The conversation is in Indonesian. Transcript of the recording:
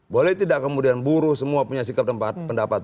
boleh tidak kemudian buruh semua punya sikap pendapat